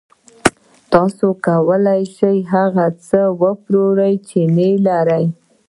آیا تاسو کولی شئ هغه څه وپلورئ چې نلرئ